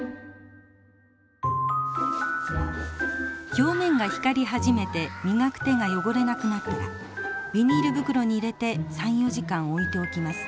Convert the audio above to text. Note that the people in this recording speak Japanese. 表面が光り始めて磨く手が汚れなくなったらビニール袋に入れて３４時間置いておきます。